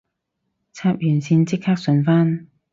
插完線即刻順返